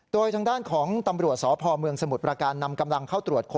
โดยทางด้านของตำรวจสพเมืองสมุทรประการนำกำลังเข้าตรวจค้น